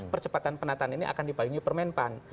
percepatan penataan ini akan dipayungi permen pan